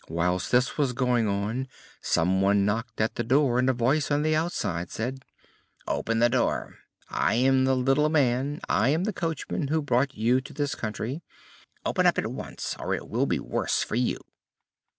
Whilst this was going on some one knocked at the door and a voice on the outside said: "Open the door! I am the little man, I am the coachman who brought you to this country. Open at once, or it will be the worse for you!"